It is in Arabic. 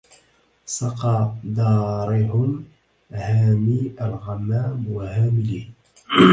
سقى دارهم هامي الغمام وهامله